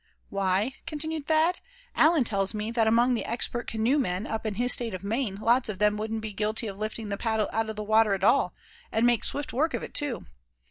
"Why," continued Thad, "Allan tells me that among the expert canoemen up in his State of Maine lots of them wouldn't be guilty of lifting the paddle out of the water at all, and make swift work of it too.